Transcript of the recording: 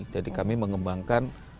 jadi kami mengembangkan